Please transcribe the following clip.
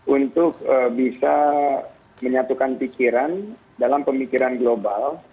untuk bisa menyatukan pikiran dalam pemikiran global